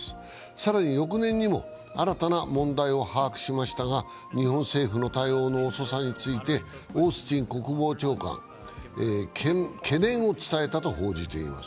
更に翌年にも新たな問題を把握しましたが、日本政府の対応の遅さについてオースティン国防長官、懸念を伝えたと報じています。